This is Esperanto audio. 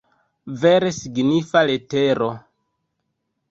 Vere signifa letero!